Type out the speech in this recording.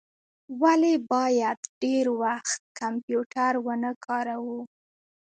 ولي باید ډیر وخت کمپیوټر و نه کاروو؟